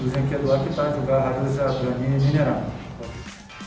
terus yang kedua kita juga harus berani menerap